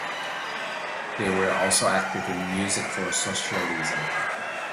They were also active in Music For Socialism.